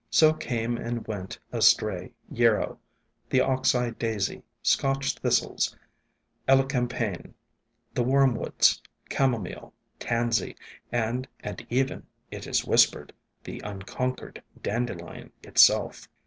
So came and went astray Yarrow, the Ox eye Daisy, Scotch Thistles, Elecampane, the Wormwoods, Chamomile, Tansy, and even, it is whispered, the unconquered Dandelion itself.